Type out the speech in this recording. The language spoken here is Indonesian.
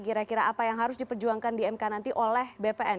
kira kira apa yang harus diperjuangkan di mk nanti oleh bpn